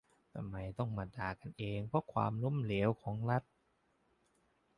"ทำไมต้องมาด่ากันเองเพราะความล้มเหลวของรัฐ"